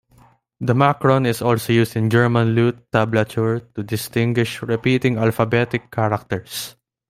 The macron is also used in German lute tablature to distinguish repeating alphabetic characters.